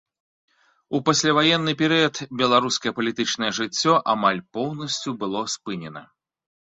У пасляваенны перыяд беларускае палітычнае жыццё амаль поўнасцю было спынена.